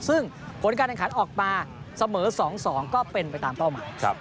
ซึ่งผลการแข่งขันออกมาเสมอ๒๒ก็เป็นไปตามเป้าหมาย